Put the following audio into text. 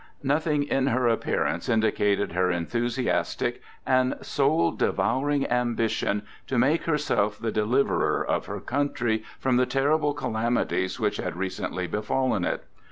Nothing in her appearance indicated her enthusiastic and soul devouring ambition to make herself the deliverer of her country from the terrible calamities which had recently befallen it.